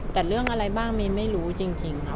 แต่เรื่องอะไรบ้างมีไม่รู้จริงค่ะ